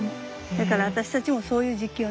だから私たちもそういう時期よね。